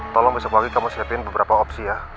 tolong besok pagi kamu siapin beberapa opsi ya